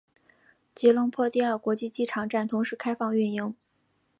吉隆坡第二国际机场站同时开放运营。